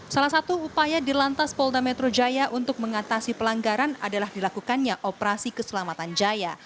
salah satu upaya di lantas polda metro jaya untuk mengatasi pelanggaran adalah dilakukannya operasi keselamatan jaya